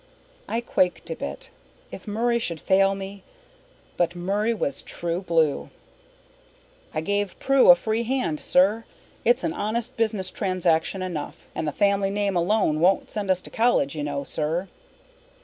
I quaked a bit. If Murray should fail me! But Murray was true blue. "I gave Prue a free hand, sir. It's an honest business transaction enough and the family name alone won't send us to college, you know, sir."